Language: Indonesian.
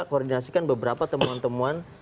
koordinasikan beberapa temuan temuan